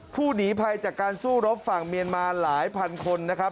ผู้หนีภัยจากการสู้รบฝั่งเมียนมาหลายพันคนนะครับ